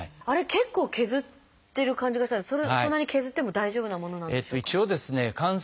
あれ結構削ってる感じがしたんですけどそんなに削っても大丈夫なものなんですか？